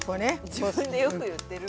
自分でよく言ってる。